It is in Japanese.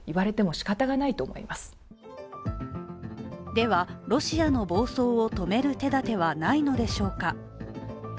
では、ロシアの暴走を止める手だてはないのでしょうか。